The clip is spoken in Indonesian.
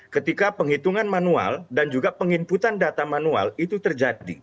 ketika penghitungan manual dan juga penginputan data manual itu terjadi